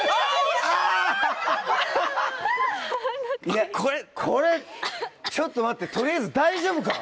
いやこれちょっと待って取りあえず。